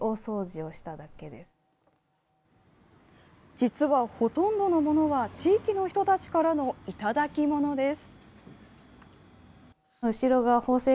実は、ほとんどのものは地域の人たちからのいただきものです。